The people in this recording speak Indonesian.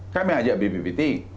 kami ajak bbbt